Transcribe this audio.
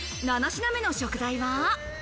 ７品目の食材は。